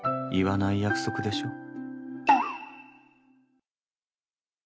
言わない約束でしょ。